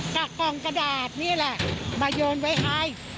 กากกองกระดาษนี่แหละมายวนไว้ให้